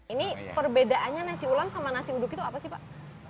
ini perbedaannya nasi ulam sama nasi uduk itu apa sih pak